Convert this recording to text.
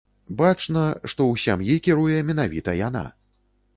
Бачна, што ў сям'і кіруе менавіта яна.